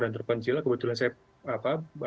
dan terpencil kebetulan saya